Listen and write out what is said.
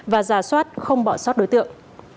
và giả soát không bỏ sót đối tượng